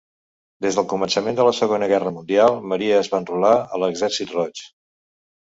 Des del començament de la Segona Guerra Mundial, Maria es va enrolar a l'Exèrcit Roig.